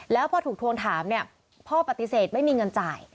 แล้วพอถูกทวงถามเนี่ยพ่อปฏิเสธไม่มีเงินจ่าย